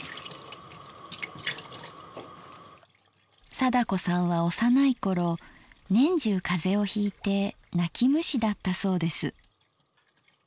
貞子さんは幼い頃年中風邪をひいて泣き虫だったそうです。